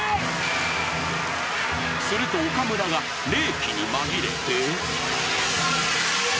［すると岡村が冷気に紛れて］